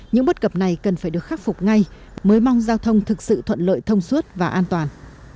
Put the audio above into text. những bất cập này cần phải được khắc phục ngay mới mong giao thông thực sự thuận lợi thông suốt và an toàn